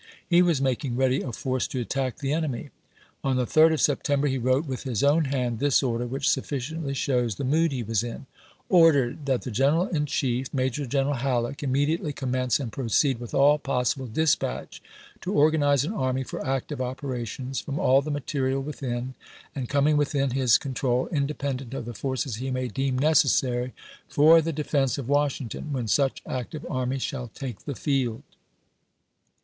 He was making ready a force to attack the enemy. On the 3d of September he wrote with his own hand this order, which sufficiently shows the mood he was in : Ordered, that the Gi eneral in Chief, Major General Hal leek, immediately commence and proceed with all pos sible dispatch to organize an army for active operations from all the material within and coming within his con w. R. ^^^\ independent of the forces he may deem necessary ^Part if "'^^^*^^ defense of Washington, when such active army p. 169." shall take the field.